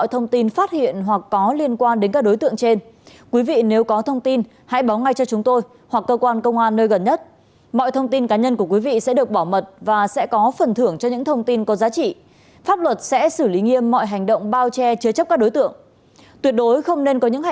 thông tin về truy nã của công an quận đồ sơn thành phố hải phòng